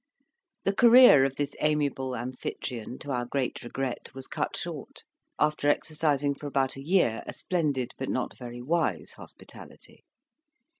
The career of this amiable Amphitryon, to our great regret, was cut short, after exercising for about a year a splendid but not very wise hospitality.